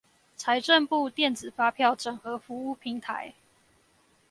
財政部電子發票整合服務平台